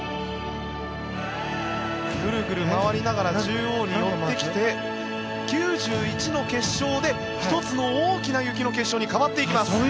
グルグル回りながら中央に寄ってきて９１の結晶で１つの大きな雪の結晶に変わっていきます。